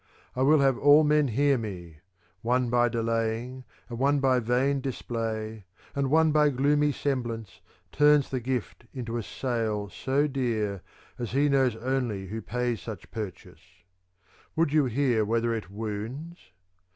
I will have all men hear me : one by delaying, and one by vain dis play, and one by gloomy semblance, turns the gift into a sale so dear as he knows only who pays such purchase. Would you hear whether it wounds